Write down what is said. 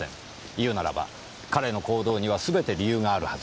言うならば彼の行動にはすべて理由があるはずです。